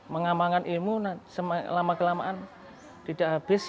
mengamankan ilmu selama kelamaan tidak habis